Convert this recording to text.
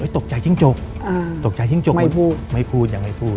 ตกใจจิ้งจกตกใจจิ้งจกไม่พูดไม่พูดยังไม่พูด